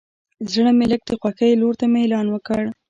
زړه مې لږ د خوښۍ لور ته میلان وکړ.